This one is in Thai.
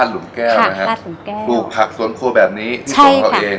ระดข์หลุมแก้วนะคะปลูกผักสวนครัวแบบนี้ที่ตรงตาลักษณ์เขาเอง